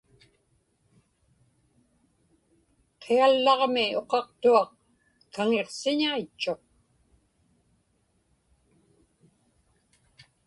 Qiallaġmi uqaqtuaq kaŋiqsiñaitchuq.